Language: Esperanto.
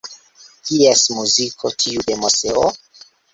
Kies muziko, tiu de Moseo?